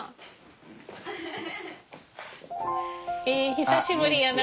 久しぶりやな。